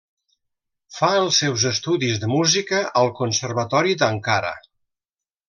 Fa els seus estudis de música al Conservatori d'Ankara.